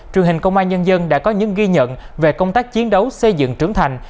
truyền hình công an nhân dân đã có những ghi nhận về công tác chiến đấu xây dựng trưởng thành